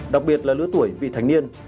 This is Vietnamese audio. đặc biệt là lứa tuổi vị thành niên